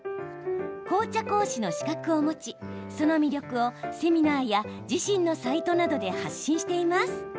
紅茶講師の資格を持ちその魅力をセミナーや自身のサイトなどで発信しています。